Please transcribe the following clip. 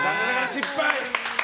失敗！